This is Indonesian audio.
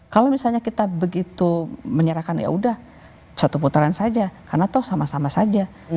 kalau misalnya kita begitu menyerahkan ya udah satu putaran saja karena toh sama sama saja